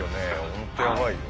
ホントやばいよ。